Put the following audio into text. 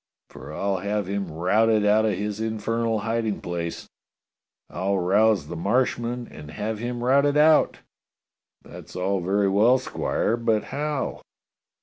For I'll have him routed out of his infernal hiding place. I'll rouse the Marshmen and have him routed out." "That's all very well. Squire, but how?"